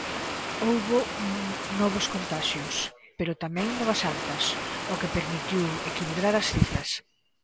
Houbo novos contaxios, pero tamén nova altas, o que permitiu equilibrar as cifras.